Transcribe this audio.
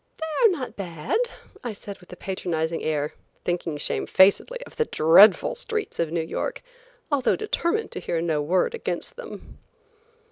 "They are not bad," I said with a patronizing air, thinking shamefacedly of the dreadful streets of New York, although determined to hear no word against them.